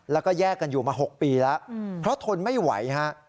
แล้วก็แยกกันอยู่มา๖ปีแล้วเพราะทนไม่ไหวฮะ